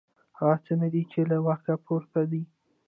هغه څه نه دي چې له واک پورته دي.